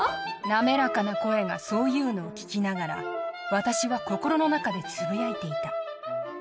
滑らかな声がそう言うのを聞きながら、私は心の中でつぶやいていた。